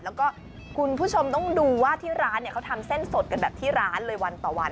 แล้วก็คุณผู้ชมต้องดูว่าที่ร้านเนี่ยเขาทำเส้นสดกันแบบที่ร้านเลยวันต่อวัน